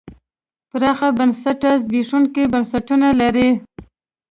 پراخ بنسټه زبېښونکي بنسټونه لري.